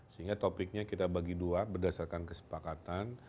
sehingga topiknya kita bagi dua berdasarkan kesepakatan